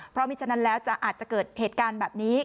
เพราะมีฉะนั้นแล้วจะอาจจะเกิดเหตุการณ์แบบนี้